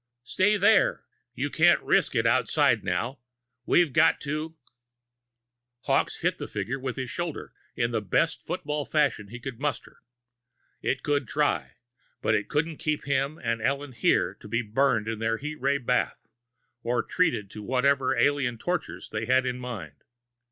"Stay there! You can't risk it outside now! We've got to " Hawkes hit the figure with his shoulder, in the best football fashion he could muster. It could try but it couldn't keep him and Ellen here to be burned in their heat ray bath, or treated to whatever alien torture they had in mind.